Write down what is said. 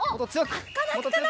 あくかな？